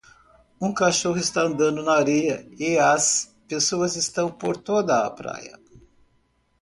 Um cachorro está andando na areia e as pessoas estão por toda a praia